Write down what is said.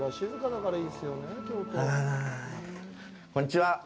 こんにちは。